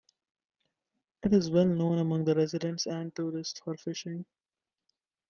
It is well known among residents and tourists for fishing.